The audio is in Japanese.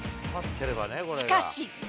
しかし。